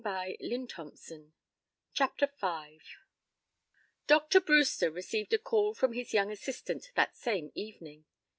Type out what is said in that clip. CHAPTER V Dr. Brewster received a call from his young assistant that same evening.